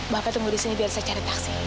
bapak tunggu disini biar saya cari taksi